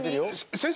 先生